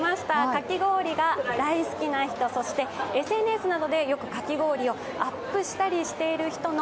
かき氷が大好きな人そしてＳＮＳなどでよくかき氷をアップしたりしている人の